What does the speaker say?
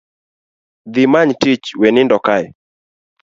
Dhi many tiich we ndindo kae